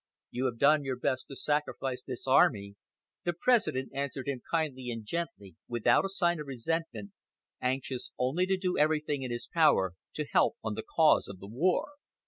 You have done your best to sacrifice this army," the President answered him kindly and gently, without a sign of resentment, anxious only to do everything in his power to help on the cause of the war.